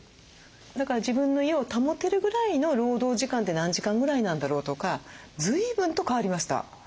だから自分の家を保てるぐらいの労働時間って何時間ぐらいなんだろうとか随分と変わりました。